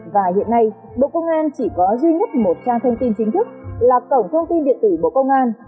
và hiện nay bộ công an chỉ có duy nhất một trang thông tin chính thức là cổng thông tin điện tử bộ công an